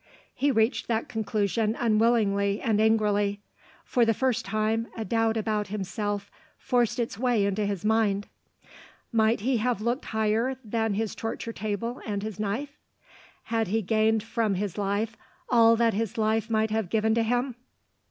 He reached that conclusion unwillingly and angrily. For the first time, a doubt about himself forced its way into his mind. Might he have looked higher than his torture table and his knife? Had he gained from his life all that his life might have given to him?